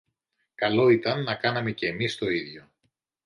Καλό ήταν να κάναμε και ‘μεις το ίδιο.